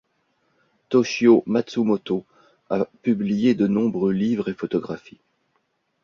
Toshio Matsumoto a publié de nombreux livres et photographies.